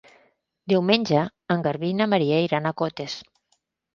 Diumenge en Garbí i na Maria iran a Cotes.